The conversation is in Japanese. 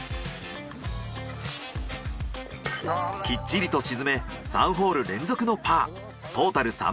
きっちりと沈め３ホール連続のパートータル